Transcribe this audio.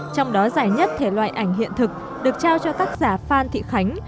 trong đó giải nhất thể loại ảnh hiện thực được trao cho tác giả phan thị khánh